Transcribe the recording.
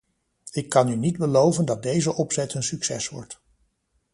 Ik kan u niet beloven dat deze opzet een succes wordt.